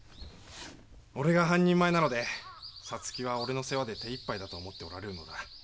俺が半人前なので皐月は俺の世話で手いっぱいだと思っておられるのだ。